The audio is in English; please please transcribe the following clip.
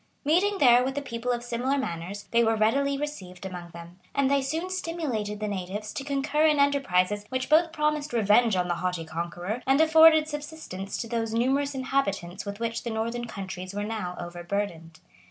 Meeting there with a people of similar manners, they were readily received among them; and they soon stimulated the natives to concur in enterprises which both promised revenge on the haughty conqueror, and afforded subsistence to those numerous inhabitants with which the northern countries were now overburdened.